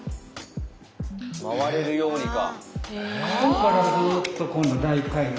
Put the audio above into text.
回れるようにか。